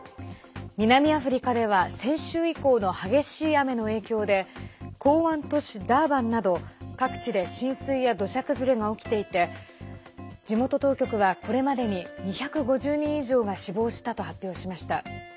南アフリカでは先週以降の激しい雨の影響で港湾都市ダーバンなど各地で浸水や土砂崩れが起きていて地元当局はこれまでに２５０人以上が死亡したと発表しました。